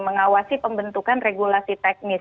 mengawasi pembentukan regulasi teknis